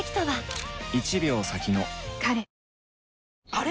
あれ？